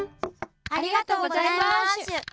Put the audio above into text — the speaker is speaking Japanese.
ありがとうございましゅ。